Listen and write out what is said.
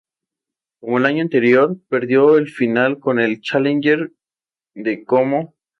Como en el año anterior, perdió el final en el Challenger de Como.